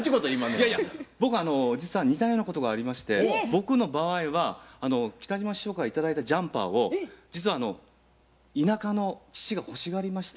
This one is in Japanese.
いやいや僕実は似たようなことがありまして僕の場合は北島師匠から頂いたジャンパーを実はあの田舎の父が欲しがりまして。